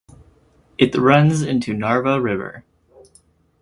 It runs into Narva River.